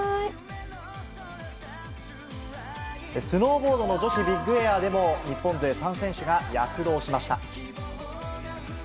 スノーボードの女子ビッグエアでも日本勢３選手が躍動しました。